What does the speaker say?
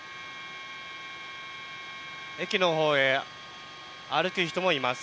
駅のほうへ歩く人もいます。